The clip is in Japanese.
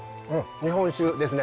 日本酒ですね。